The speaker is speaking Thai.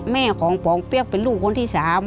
แม่ของปองเปี๊ยกเป็นลูกคนที่๓